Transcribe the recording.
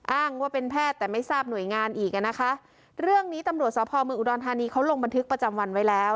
อ้างว่าเป็นแพทย์แต่ไม่ทราบหน่วยงานอีกอ่ะนะคะเรื่องนี้ตำรวจสพเมืองอุดรธานีเขาลงบันทึกประจำวันไว้แล้ว